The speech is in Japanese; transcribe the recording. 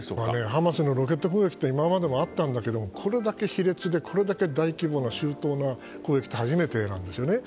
ハマスのロケット攻撃は今までもあったんだけれどもこれだけ卑劣でこれだけ大規模な攻撃って初めてなんですよね。